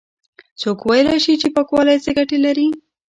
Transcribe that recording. څوک ويلاى شي چې پاکوالی څه گټې لري؟